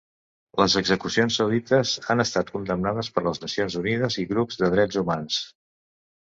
Les execucions saudites han estat condemnades per les Nacions Unides i grups de drets humans.